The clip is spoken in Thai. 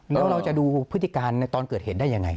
แล้วเราจะดูพฤติการในตอนเกิดเหตุได้ยังไง